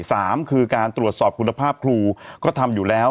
สามคือการตรวจสอบคุณภาพครูก็ทำอยู่แล้ว